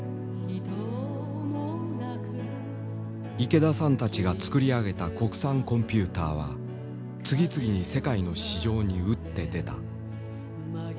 池田さんたちが作り上げた国産コンピューターは次々に世界の市場に打って出た。